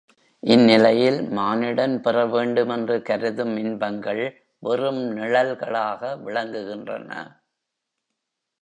இந்நிலையில் மானிடன் பெறவேண்டுமென்று கருதும் இன்பங்கள் வெறும் நிழல்களாக விளங்குகின்றன.